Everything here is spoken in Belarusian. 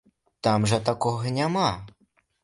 Там жа такога няма.